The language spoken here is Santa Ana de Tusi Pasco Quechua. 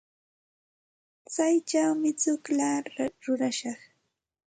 Kaychawmi tsukllata rurashaq.